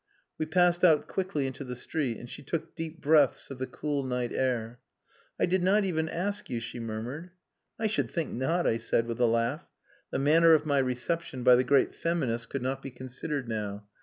We passed out quickly into the street, and she took deep breaths of the cool night air. "I did not even ask you," she murmured. "I should think not," I said, with a laugh. The manner of my reception by the great feminist could not be considered now.